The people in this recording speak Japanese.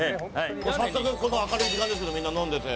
こんな明るい時間ですけどみんな飲んでて。